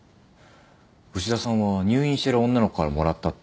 牛田さんは入院してる女の子からもらったって。